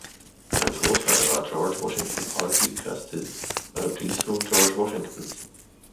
Sein Großvater war George Washington Parke Custis, Adoptivsohn George Washingtons.